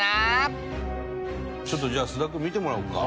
ちょっとじゃあ菅田君見てもらおうか。